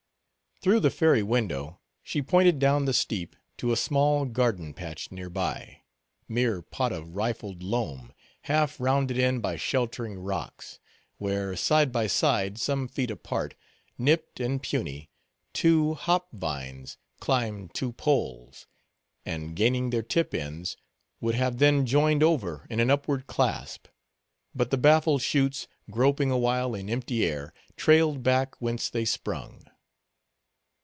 Through the fairy window, she pointed down the steep to a small garden patch near by—mere pot of rifled loam, half rounded in by sheltering rocks—where, side by side, some feet apart, nipped and puny, two hop vines climbed two poles, and, gaining their tip ends, would have then joined over in an upward clasp, but the baffled shoots, groping awhile in empty air, trailed back whence they sprung.